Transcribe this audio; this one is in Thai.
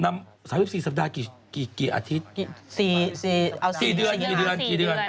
นำ๓๔สัปดาห์กี่อาทิตย์๔เดือน